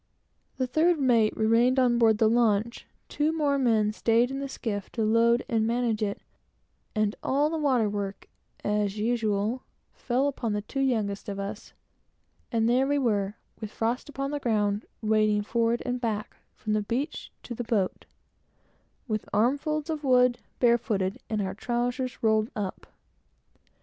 The third mate remained on board the launch, two more men staid in the skiff, to load and manage it, and all the water work, as usual, fell upon the two youngest of us; and there we were, with frost on the ground, wading forward and back, from the beach to the boat, with armsfull of wood, barefooted, and our trowsers rolled up.